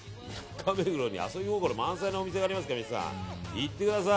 中目黒に遊び心満載のお店がありますから行ってください。